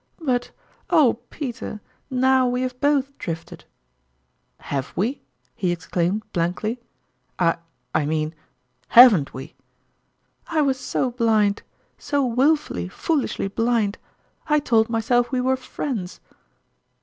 " But oh, Peter, now we have both drifted !"" Have we ?" he exclaimed, blankly. " I I mean haven't we !" "I was so blind so willfully, foolishly blind ! I told myself we were friends